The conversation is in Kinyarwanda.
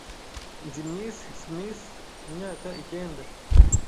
Nzi Miss Smith imyaka icyenda.